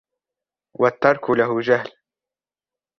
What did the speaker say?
وَالتَّرْكُ لَهُ جَهْلٌ